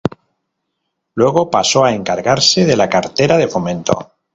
Luego pasó a encargarse de la cartera de Fomento.